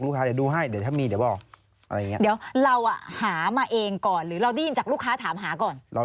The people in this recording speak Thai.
หรือเราได้ยินจากลูกค้าถามหาก่อน